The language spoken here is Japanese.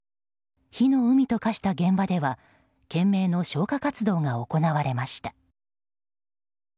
火の海と化した現場では懸命の消火活動が行われました。